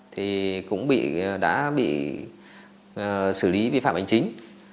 thì cũng đã bị xử lý vi phạm hành chính